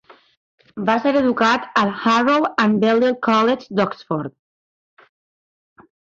Va ser educat al Harrow and Balliol College d'Oxford.